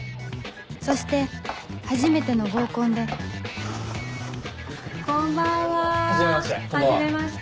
そして初めての合コンでこんばんははじめまして。